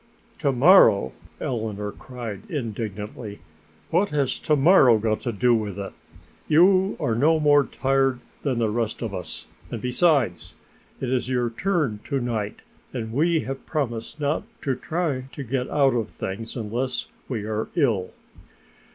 "To morrow?" Eleanor cried indignantly. "What has to morrow, got to do with it? You are no more tired than the rest of us and besides it is your turn to night and we have promised not to try to get out of things unless we are ill."